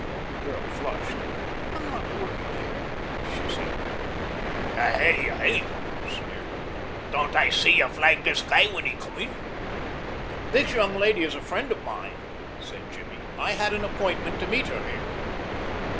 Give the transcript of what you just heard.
The girl flushed. "I'm not working here," she said. "To hell ye ain't," sneered O'Donnell. "Didn't I see ye flag this guy whin he came in?" "This young lady is a friend of mine," said Jimmy. "I had an appointment to meet her here."